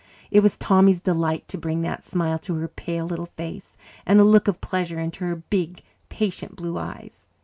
It was Tommy's delight to bring that smile to her pale little face and a look of pleasure into her big, patient blue eyes.